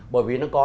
bởi vì nó có